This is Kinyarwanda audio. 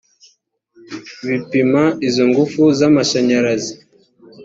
bipima izo ngufu z amashanyarazi